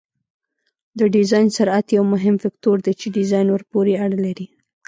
د ډیزاین سرعت یو مهم فکتور دی چې ډیزاین ورپورې اړه لري